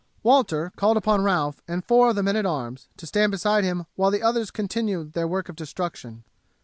Walter called upon Ralph and four of the men at arms to stand beside him while the others continued their work of destruction.